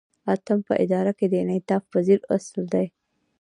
اتم په اداره کې د انعطاف پذیری اصل دی.